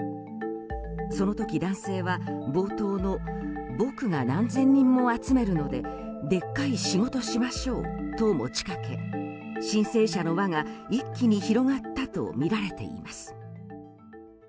その時、男性は冒頭の僕が何千人も集めるのででっかい仕事しましょうと持ちかけ申請者の輪が一気に広がったとみられています。